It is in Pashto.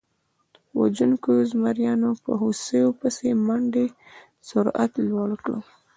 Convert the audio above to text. وژونکو زمریانو په هوسیو پسې د منډې سرعت لوړ کړ.